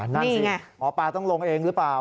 นั่นสิหมอปลาต้องลงเองหรือเปล่า